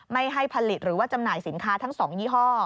ไม่ให้ผลิตหรือว่าจำหน่ายสินค้าทั้ง๒ยี่ห้อ